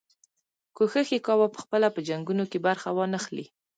کوښښ یې کاوه پخپله په جنګونو کې برخه وانه خلي.